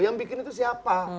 yang bikin itu siapa